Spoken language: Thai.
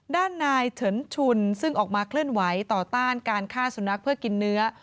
ด้านนายเฉินชุนซึ่งออกมาเคลื่อนไหวต่อต้านการฆ่าสุนัขเพื่อกินเนื้อ